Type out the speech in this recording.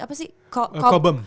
apa sih cobham